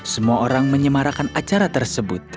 semua orang menyemarakan acara tersebut